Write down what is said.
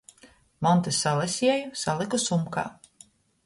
Montys salaseju, salyku sumkā.